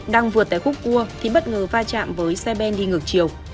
đang vượt tại khúc cua thì bất ngờ va chạm với xe ben đi ngược chiều